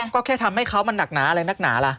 ก็แค่ทำให้เขามันหนักหนาอะไรนักหนาล่ะ